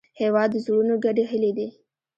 هېواد د زړونو ګډې هیلې دي.